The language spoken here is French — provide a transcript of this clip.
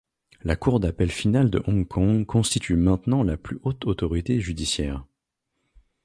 La Cour d'appel final de Hong Kong constitue maintenant la plus haute autorité judiciaire.